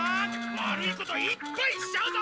悪いこといっぱいしちゃうぞ！